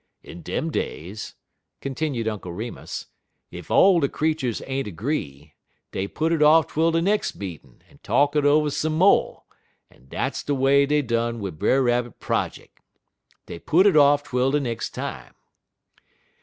"In dem days," continued Uncle Remus, "ef all de creeturs ain't 'gree, dey put it off twel de nex' meetin' en talk it over some mo', en dat's de way dey done wid Brer Rabbit projick. Dey put it off twel de nex' time.